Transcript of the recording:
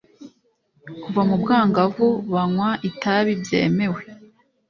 kuva mubwangavu banywa itabi byemewe